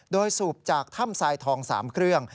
โดยสูบจากถ้ำทรายทอง๓เครื่อง